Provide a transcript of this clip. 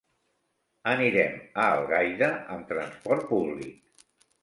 Anirem a Algaida amb transport públic.